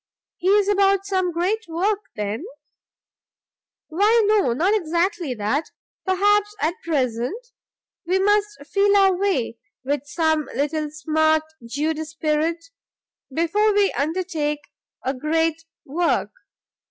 "He is about some great work, then?" "Why no, not exactly that, perhaps, at present; we must feel our way, with some little smart jeu d'esprit before we undertake a great work.